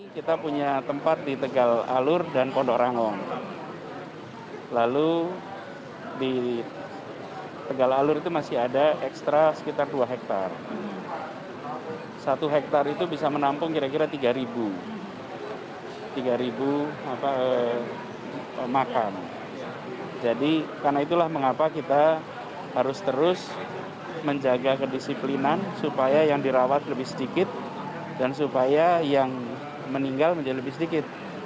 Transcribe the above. karena itulah mengapa kita harus terus menjaga kedisiplinan supaya yang dirawat lebih sedikit dan supaya yang meninggal menjadi lebih sedikit